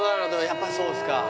やっぱりそうですか。